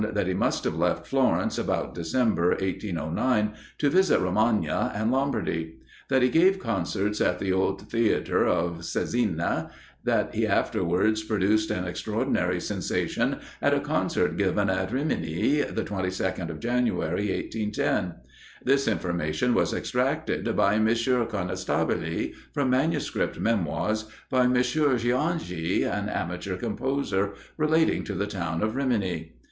58) that he must have left Florence about December, 1809, to visit Romagna and Lombardy; that he gave concerts at the old theatre of Cesena; that he afterwards produced an extraordinary sensation at a concert given at Rimini, the 22nd of January, 1810. This information was extracted by M. Conestabile, from manuscript memoirs by M. Giangi, an amateur composer, relating to the town of Rimini.